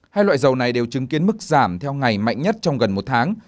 hai loại dầu này đều chứng kiến mức giảm theo ngày mạnh nhất trong gần một tháng